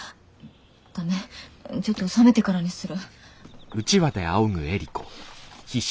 ダメちょっと冷めてからにする。